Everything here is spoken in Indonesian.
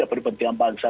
daripada kepentingan bangsa